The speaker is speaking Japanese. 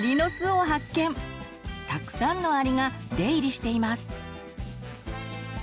たくさんのアリが出入りしています。